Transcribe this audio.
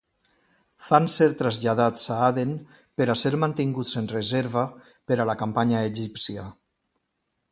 Van ser traslladats a Aden per a ser mantinguts en reserva per a la campanya egípcia.